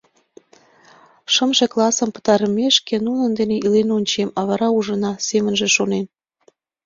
«Шымше классым пытарымешке, нунын дене илен ончем, а вара — ужына», — семынже шонен.